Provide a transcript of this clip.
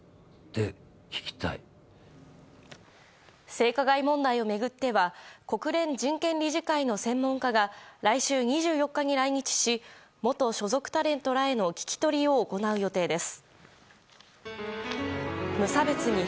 性加害問題を巡っては国連人権理事会の専門家が来週２４日に来日し元所属タレントらへの聞き取りを行う予定です。